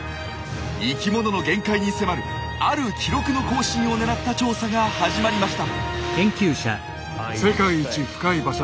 生きものの限界に迫るある記録の更新をねらった調査が始まりました。